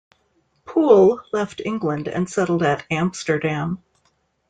Poole left England, and settled at Amsterdam.